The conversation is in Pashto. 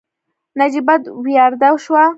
نجيبه ورياده شوه.